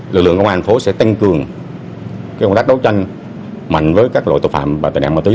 lực lượng công an thành phố sẽ tăng cường công tác đấu tranh mạnh với các loại tội phạm và tệ nạn ma túy